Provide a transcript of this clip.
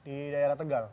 di daerah tegal